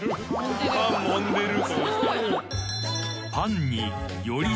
パンもんでる。